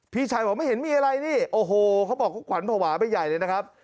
พี่ชายบอกไม่เห็นมีอะไรนี่โอ้โหเขาบอกเขาขวัญภาวะไปใหญ่เลยนะครับ